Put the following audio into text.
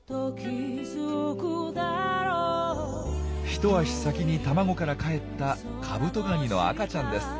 一足先に卵からかえったカブトガニの赤ちゃんです。